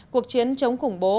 cuộc chiến chống khủng bố